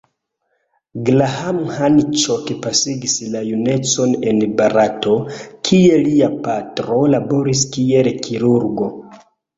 Graham Hancock pasigis la junecon en Barato, kie lia patro laboris kiel kirurgo.